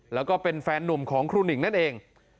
แล้วก็เป็นแฟนนุ่มของครูหนิงนั่นเอง